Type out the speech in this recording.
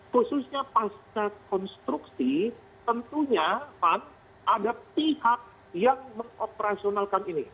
khususnya pasca konstruksi tentunya pan ada pihak yang mengoperasionalkan ini